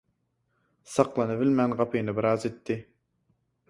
Saklanybilmän gapyny biraz itdi.